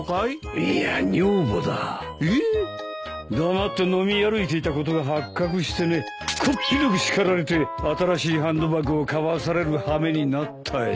黙って飲み歩いていたことが発覚してねこっぴどく叱られて新しいハンドバッグを買わされる羽目になったよ。